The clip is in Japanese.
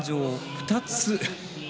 ２つ。